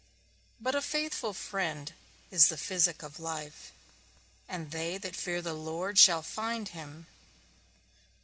But a faithful friend is the physic of life, and they that fear the Lord shall find him.